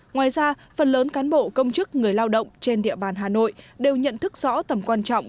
ngoài ra phần lớn cán bộ công chức người lao động trên địa bàn hà nội đều nhận thức rõ tầm quan trọng